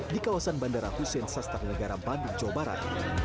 di kawasan bandara hussein sastra negara bandung cobaran